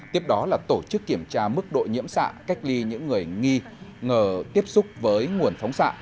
tiếp đó là tổ chức kiểm tra mức độ nhiễm xạ cách ly những người nghi ngờ tiếp xúc với nguồn phóng xạ